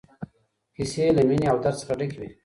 کيسې له مينې او درد څخه ډکې وې.